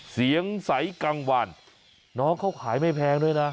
เสียงใสกลางวันน้องเขาขายไม่แพงด้วยนะ